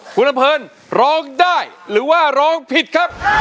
คุณลำเพลินร้องได้หรือว่าร้องผิดครับ